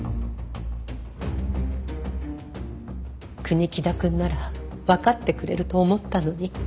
国木田くんならわかってくれると思ったのに。